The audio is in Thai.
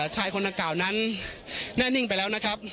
ชายคนดังกล่าวนั้นแน่นิ่งไปแล้วนะครับ